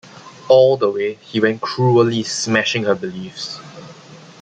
All the way he went cruelly smashing her beliefs.